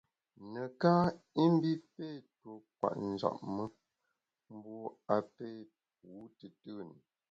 Neká i mbi pé tuo kwet njap me, mbu a pé pu tùtùn.